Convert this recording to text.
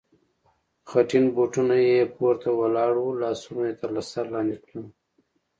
خټین بوټونه یې پورته ولاړ و، لاسونه یې تر سر لاندې کړل.